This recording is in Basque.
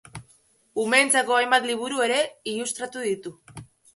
Umeentzako hainbat liburu ere ilustratu ditu.